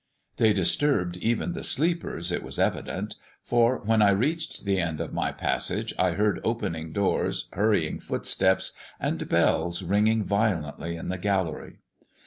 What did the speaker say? They disturbed even the sleepers, it was evident; for when I reached the end of my passage I heard opening doors, hurrying footsteps, and bells ringing violently in the gallery.